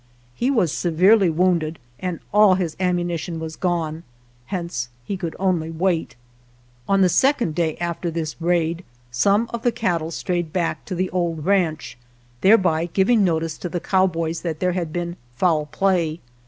He was severely wounded and all his ammunition was gone, hence he could only wait. On the second day after this raid some of the cattle strayed back to the old ranch, thereby giving notice to the cowboys that there had been foul play.